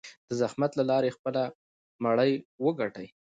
د زحمت له لارې خپله مړۍ وګټي.